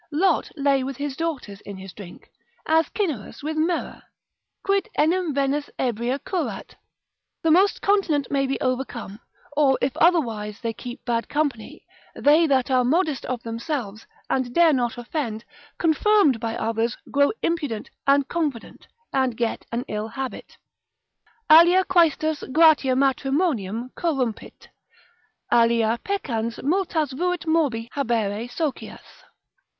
Lot lay with his daughters in his drink, as Cyneras with Myrrha,—quid enim Venus ebria curat? The most continent may be overcome, or if otherwise they keep bad company, they that are modest of themselves, and dare not offend, confirmed by others, grow impudent, and confident, and get an ill habit. Alia quaestus gratia matrimonium corrumpit, Alia peccans multas vult morbi habere socias.